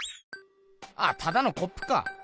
ただのコップか。